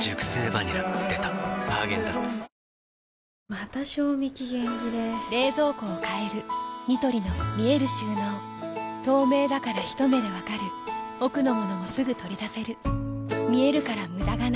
また賞味期限切れ冷蔵庫を変えるニトリの見える収納透明だからひと目で分かる奥の物もすぐ取り出せる見えるから無駄がないよし。